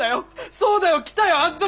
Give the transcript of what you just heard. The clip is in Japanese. そうだよ来たよあん時！